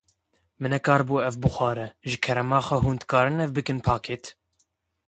Min nekarîbû ev bixwara, ji kerema xwe hûn dikarin bikin pakêt?